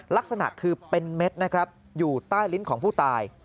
ลักษณะคือเป็นเม็ดนะครับอยู่ใต้ลิ้นของผู้ตาย